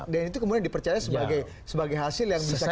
dan itu kemudian dipercaya sebagai hasil yang bisa kita tahu